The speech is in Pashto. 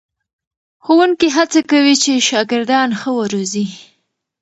ښوونکي هڅه کوي چې شاګردان ښه وروزي.